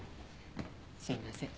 すいません。